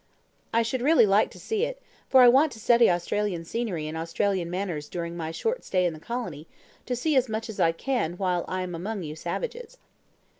"I should really like to see it, for I want to study Australian scenery and Australian manners during my short stay in the colony, to see as much as I can while I am among you savages."